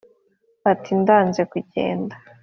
ati: ndanze kugenda